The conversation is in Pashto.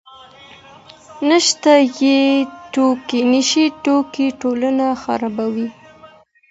نشه یي توکي ټولنه خرابوي.